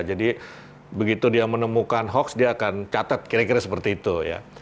jadi begitu dia menemukan hoaks dia akan catat kira kira seperti itu ya